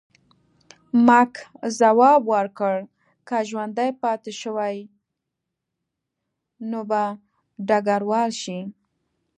مک ځواب ورکړ، که ژوندی پاتې شوې نو به ډګروال شې.